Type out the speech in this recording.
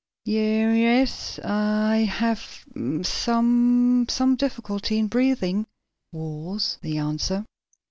"Ye yes, I I have some some difficulty in breathing," was the answer.